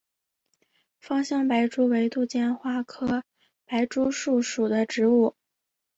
芳香白珠为杜鹃花科白珠树属的植物。